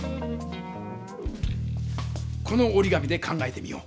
このおり紙で考えてみよう。